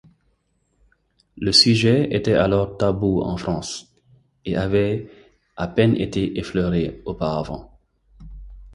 Le sujet était alors tabou en France, et avait à peine été effleuré auparavant.